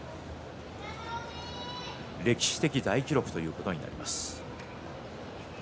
歴史的大記録ということになります。